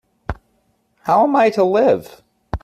How am I to live?